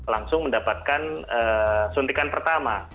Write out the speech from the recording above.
langsung mendapatkan suntikan pertama